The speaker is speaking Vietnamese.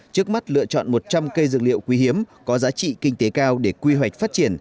trước mắt lựa chọn một trăm linh cây dược liệu quý hiếm có giá trị kinh tế cao để quy hoạch phát triển